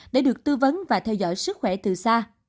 để được tư vấn và theo dõi sức khỏe từ xa